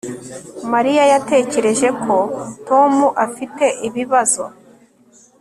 Mariya yatekereje ko Tom afite ibibazo